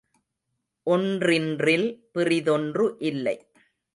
ஒன்றின்றில் பிறிதொன்று இல்லை.